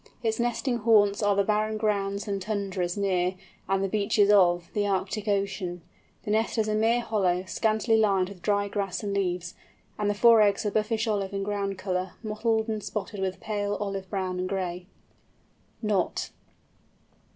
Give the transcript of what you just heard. Its nesting haunts are the barren grounds and tundras near, and the beaches of, the Arctic Ocean. The nest is a mere hollow, scantily lined with dry grass and leaves, and the four eggs are buffish olive in ground colour, mottled and spotted with pale olive brown and gray. KNOT.